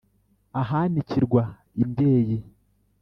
ahanikirwa imbyeyi